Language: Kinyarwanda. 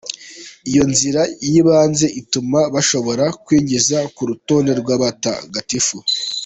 Iyo nzira y'ibanze ituma bashobora kwinjizwa ku rutonde rw'abatagatifu.